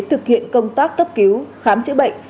thực hiện công tác cấp cứu khám chữa bệnh